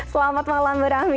selamat malam bu rami